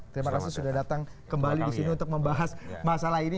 terima kasih sudah datang kembali di sini untuk membahas masalah ini